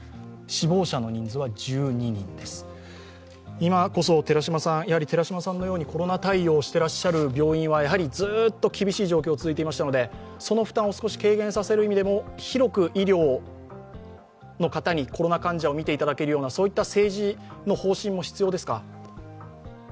今こそ、寺嶋さんのようにコロナ対応をしていらっしゃる病院はやはりずっと厳しい状況が続いていましたのでその負担を少し軽減させるためにも広く医療の方にコロナ患者を診ていただけるような政治の方針も必要ですか？